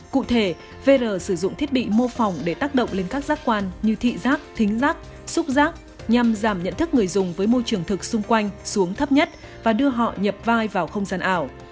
cụ thể vr sử dụng thiết bị mô phỏng để tác động lên các giác quan như thị giác thính giác xúc rác nhằm giảm nhận thức người dùng với môi trường thực xung quanh xuống thấp nhất và đưa họ nhập vai vào không gian ảo